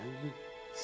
tinggal masuk aja